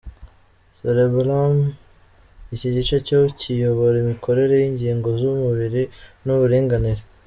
Cerebellum: iki gice cyo kiyobora imikorere y’ingingo z’umubiri n’uburinganire.